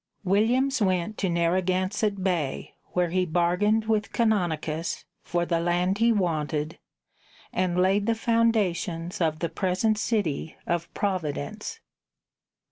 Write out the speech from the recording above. Williams went to Narragansett Bay, where he bargained with Canonicus for the land he wanted, and laid the foundations of the present city of Providence.